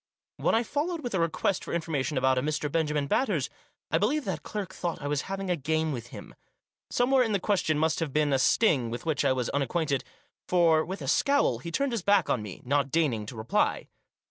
When I followed with a request for information about a Mr. Benjamin Batters, I believe that clerk thought I was having a game with him. Somewhere in the question must have been a sting, with which I was unacquainted; for, with a scowl, he turned his back on me, not deigning to reply.